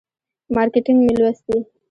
مارکیټینګ مې لوستی.